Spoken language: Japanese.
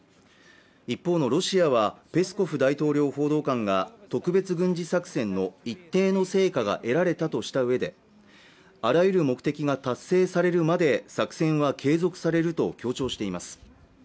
一方のロシアはペスコフ大統領報道官が特別軍事作戦の一定の成果が得られたとしたうえであらゆる目的が達成されるまで作戦は継続されると強調しています